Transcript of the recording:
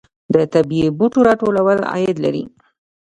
د طبیعي بوټو راټولول عاید لري